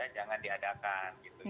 jangan diadakan gitu